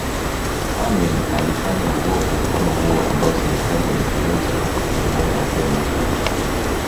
Amin alifanya uovu kama huo ambao serikali ya Uingereza ilimuomba atoe mashtaka